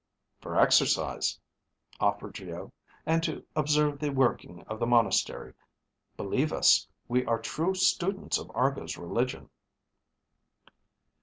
"For exercise," offered Geo, "and to observe the working of the monastery. Believe us, we are true students of Argo's religion."